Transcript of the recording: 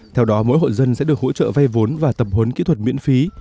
theo đó mỗi hội dân sẽ được hỗ trợ vay vốn và tập hốn kỹ thuật miễn phí